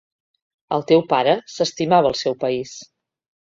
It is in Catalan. El teu pare s’estimava el seu país.